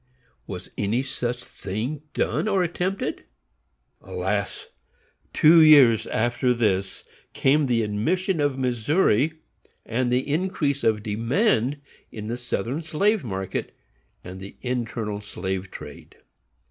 Was any such thing done or attempted? Alas! Two years after this came the ADMISSION OF MISSOURI, and the increase of demand in the southern slave market and the internal slave trade.